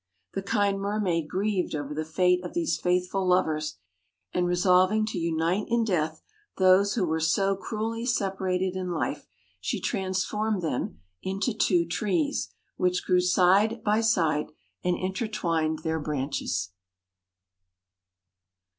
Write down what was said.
The kind mermaid grieved over the fate of these faithful lovers; and resolving to unite in death those who were so cruelly separated in life, she transformed them into two trees, which grew side by side, and intertwined their branches.